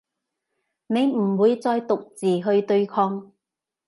你唔會再獨自去對抗